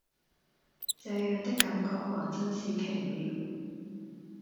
這樣的感覺還真是奇妙